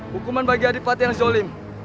hukuman bagi adik adik yang zolim